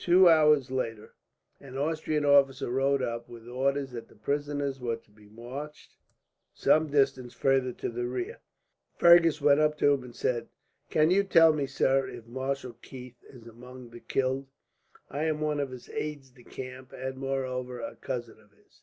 Two hours later an Austrian officer rode up, with orders that the prisoners were to be marched some distance farther to the rear. Fergus went up to him and said: "Can you tell me, sir, if Marshal Keith is among the killed? I am one of his aides de camp and, moreover, a cousin of his."